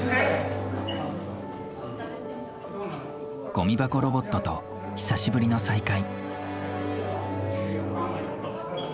ゴミ箱ロボットと久しぶりの再会。